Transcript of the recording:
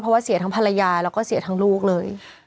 เพราะว่าเสียทั้งภรรยาแล้วก็เสียทั้งลูกเลย